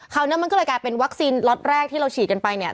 คราวนี้มันก็เลยกลายเป็นวัคซีนล็อตแรกที่เราฉีดกันไปเนี่ย